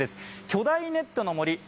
巨大ネットの森